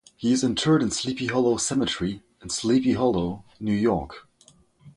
He is interred in Sleepy Hollow Cemetery in Sleepy Hollow, New York.